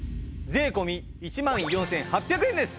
税込１万４８００円です。